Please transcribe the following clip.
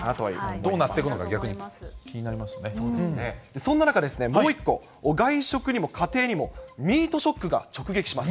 どうなっていくのか、逆に気そんな中、もう一個、外食にも家庭にも、ミートショックが直撃します。